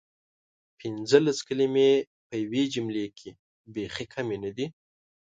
پنځلس کلمې په یوې جملې کې بیخې کمې ندي؟!